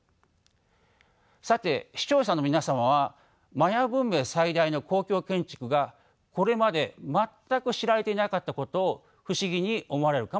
さて視聴者の皆様はマヤ文明最大の公共建築がこれまで全く知られていなかったことを不思議に思われるかもしれません。